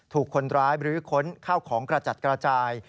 ถูกคนร้ายบรื้อค้นข้าวของกระจัดกระจาย